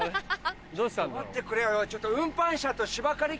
待ってくれよ。